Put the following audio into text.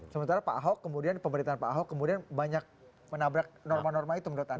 sementara pemerintahan pak ahok kemudian banyak menabrak norma norma itu md tand